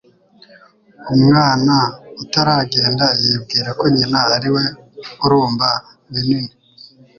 Umwana utaragenda yibwira ko nyina ariwe urumba binini